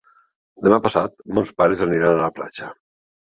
Demà passat mons pares aniran a la platja.